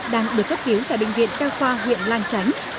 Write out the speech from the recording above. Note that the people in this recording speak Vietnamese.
đang được cất cứu tại bệnh viện cao khoa huyện lan tránh